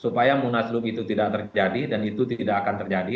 supaya munaslup itu tidak terjadi dan itu tidak akan terjadi